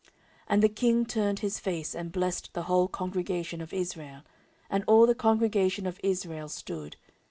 14:006:003 And the king turned his face, and blessed the whole congregation of Israel: and all the congregation of Israel stood.